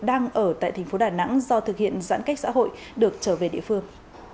đang ở tại thành phố đà nẵng do thực hiện giãn cách xã hội được trở về địa phương